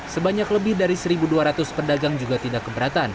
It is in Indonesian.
sebanyak lebih dari satu dua ratus pedagang juga tidak keberatan